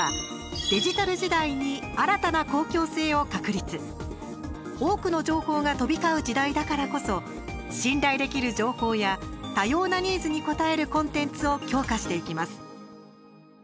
１つ目は多くの情報が飛び交う時代だからこそ信頼できる情報や多様なニーズに応えるコンテンツを強化していきます。